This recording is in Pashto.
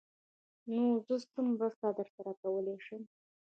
_نو زه څه مرسته درسره کولای شم؟